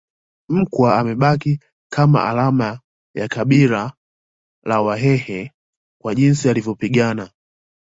Mkwa amebaki kama alama ya kabila la Wahehe kwa jinsi alivyopigana